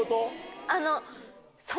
あの。